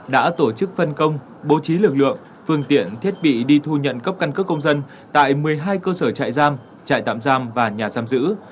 đã tổ chức phân công bố trí lực lượng phương tiện thiết bị đi thu nhận cấp căn cước công dân tại một mươi hai cơ sở trại giam trại tạm giam và nhà giam giữ